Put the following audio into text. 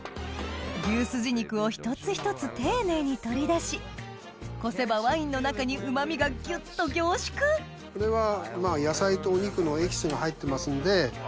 牛すじ肉を一つ一つ丁寧に取り出しこせばワインの中にうま味がぎゅっと凝縮これは野菜とお肉のエキスが入ってますんで。